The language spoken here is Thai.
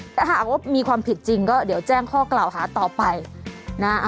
แต่หากว่ามีความผิดจริงก็เดี๋ยวแจ้งข้อกล่าวหาต่อไปนะ